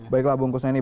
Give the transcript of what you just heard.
baiklah bung kusnani